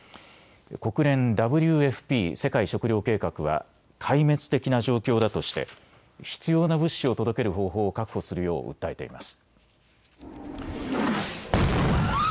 国連ＷＦＰ・世界食糧計画は壊滅的な状況だとして必要な物資を届ける方法を確保するよう訴えています。